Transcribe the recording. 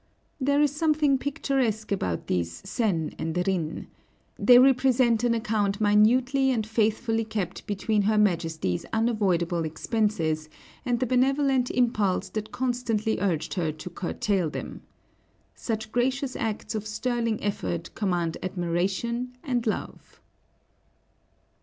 There is something picturesque about these sen and rin. They represent an account minutely and faithfully kept between her Majesty's unavoidable expenses and the benevolent impulse that constantly urged her to curtail them. Such gracious acts of sterling effort command admiration and love."